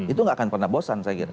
itu nggak akan pernah bosan saya kira